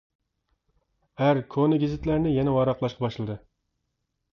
ئەر كونا گېزىتلەرنى يەنە ۋاراقلاشقا باشلىدى.